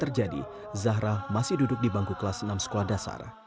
orang tua dan saudara saudara zahra masih berada di bangku kelas enam sekolah dasar